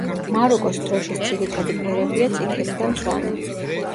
მაროკოს დროშის ძირითადი ფერებია წითელი და მწვანე.